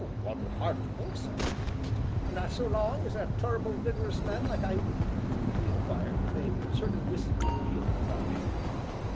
"One would hardly think so." "Not so long as a tur'ble vig'rus man, like I be?" he inquired, with a certain wistful appeal in his eyes.